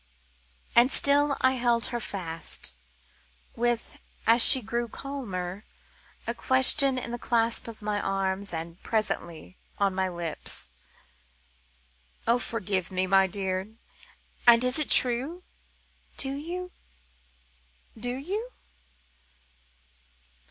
And still I held her fast, with as she grew calmer a question in the clasp of my arms, and, presently, on my lips. "Oh, my dear, forgive me! And is it true do you? do you?"